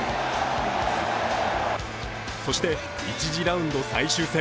そして１次ラウンド最終戦。